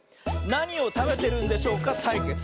「なにをたべてるんでしょうかたいけつ」！